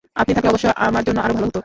আপনি থাকলে অবশ্য আমার জন্য আরো ভালো হত।